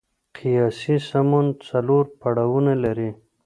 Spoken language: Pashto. قیاسي سمون څلور پړاوونه لري.